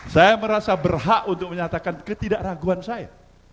saya merasa berhak untuk menyatakan ketidakraguan saya